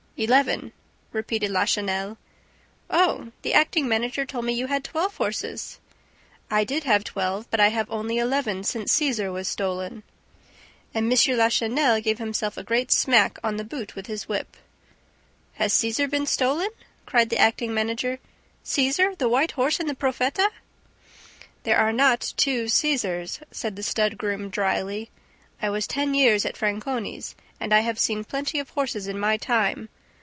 "Eleven," repeated Lachenel. "Oh, the acting manager told me that you had twelve horses!" "I did have twelve, but I have only eleven since Cesar was stolen." And M. Lachenel gave himself a great smack on the boot with his whip. "Has Cesar been stolen?" cried the acting manager. "Cesar, the white horse in the Profeta?" "There are not two Cesars," said the stud groom dryly. "I was ten years at Franconi's and I have seen plenty of horses in my time.